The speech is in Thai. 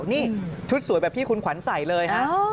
นี่ชุดสวยแบบที่คุณขวัญใส่เลยฮะ